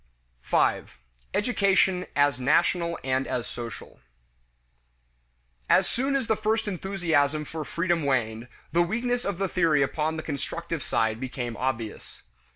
5. Education as National and as Social. As soon as the first enthusiasm for freedom waned, the weakness of the theory upon the constructive side became obvious.